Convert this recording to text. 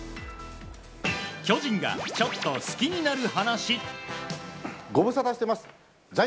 巨人がちょっと好きになる話。